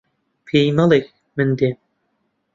پێی مەڵێ من دێم.